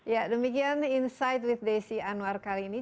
ya demikian insight with desi anwar kali ini